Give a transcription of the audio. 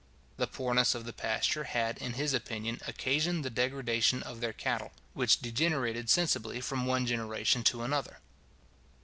The poorness of the pasture had, in his opinion, occasioned the degradation of their cattle, which degenerated sensibly from one generation to another.